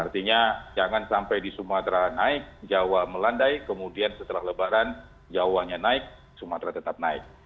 artinya jangan sampai di sumatera naik jawa melandai kemudian setelah lebaran jawa nya naik sumatera tetap naik